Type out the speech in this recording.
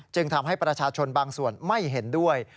ทำให้ประชาชนบางส่วนไม่เห็นด้วย